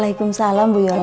waalaikumsalam bu yola